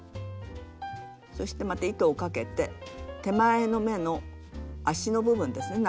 そしてまた糸をかけて手前の目の足の部分ですね